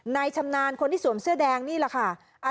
ชำนาญคนที่สวมเสื้อแดงนี่แหละค่ะ